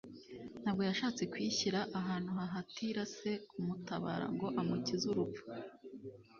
ntabwo yashatse kwishyira ahantu hahatira Se kumutabara ngo amukize urupfu.